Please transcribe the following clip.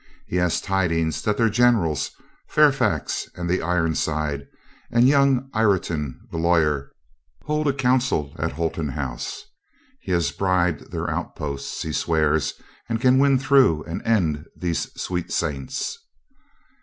He has tidings that their generals, Fairfax and the Ironside and young Ireton the lawyer, hold a coun cil at Holton House. He has bribed their outposts, he swears, and can win through and end these sweet saints."